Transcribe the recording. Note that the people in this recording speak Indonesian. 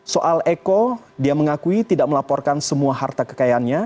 soal eko dia mengakui tidak melaporkan semua harta kekayaannya